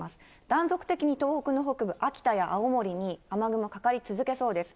断続的に東北の北部、秋田や青森に雨雲かかり続けそうです。